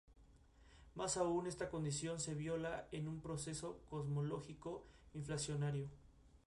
Jenna comienza a resentirse de estar en una relación secreta con Matty.